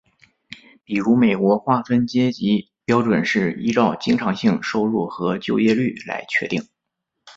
比如美国划分阶级标准是依照经常性收入和就业率来确定。